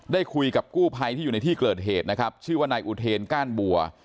ได้คุยกับกู้ภัยที่อยู่ในที่เกิดเหตุนะครับชื่อว่านายอุเทนก้านบัว